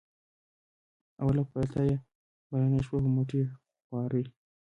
اوله پلته یې بله نه شوه په مټې خوارۍ.